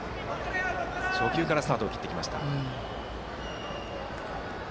初球からスタートを切ってきました。